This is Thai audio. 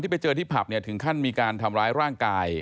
ไปเจอที่ผับเนี่ยถึงขั้นมีการทำร้ายร่างกาย